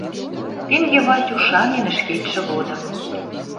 Тенге Ватю шанен ӹшкетшӹ годым